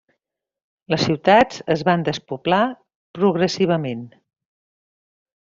Les ciutats es van despoblar progressivament.